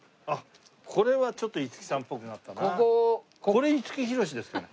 これ五木ひろしですよね。